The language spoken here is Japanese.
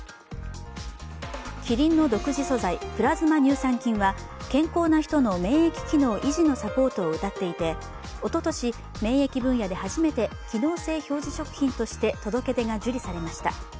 キリンの独自素材プラズマ乳酸菌は健康な人の免疫機能維持のサポートをうたっていておととし、免疫分野で初めて機能性表示食品として届け出が受理されました。